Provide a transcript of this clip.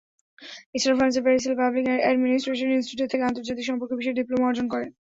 এছাড়া ফ্রান্সের প্যারিসের পাবলিক অ্যাডমিনিস্ট্রেশন ইনস্টিটিউট থেকে আন্তর্জাতিক সম্পর্ক বিষয়ে ডিপ্লোমা অর্জন করেন।